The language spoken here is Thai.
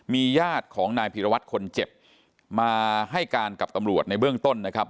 มีญาติของนายพีรวัตรคนเจ็บมาให้การกับตำรวจในเบื้องต้นนะครับ